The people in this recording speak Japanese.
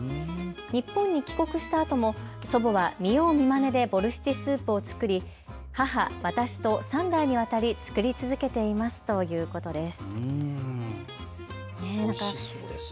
日本に帰国したあとも祖母は見よう見まねでボルシチスープを作り、母、私と３代にわたり作り続けていますということです。